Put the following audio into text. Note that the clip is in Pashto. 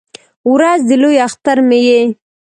ورځ د لوی اختر مې یې